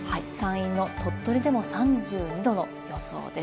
山陰の鳥取でも３２度の予想です。